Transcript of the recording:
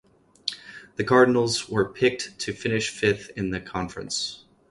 The Cardinals were picked to finish fifth in the conference.